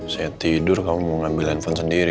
saya tidur kamu mau ngambil handphone sendiri